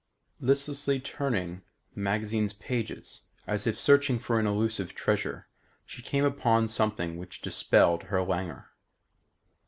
Listlessly turning the magazine's pages, as if searching for an elusive treasure, she suddenly came upon something which dispelled her languor.